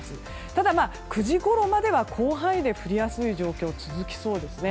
ただ、９時ごろまでは広範囲で降りやすい状況が続きそうですね。